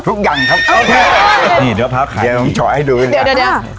ทุกอย่างครับโอเคนี่เดี๋ยวพร้าพขันชอให้ดูกันค่ะเดี๋ยวเดี๋ยวเดี๋ยว